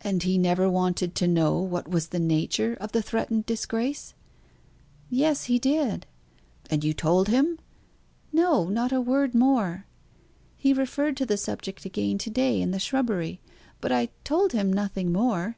"And he never wanted to know what was the nature of the threatened disgrace?" "Yes, he did." "And you told him?" "No, not a word more. He referred to the subject again to day, in the shrubbery; but I told him nothing more.